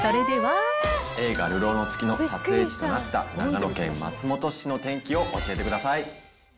映画、流浪の月の撮影地となった長野県松本市の天気を教えてください。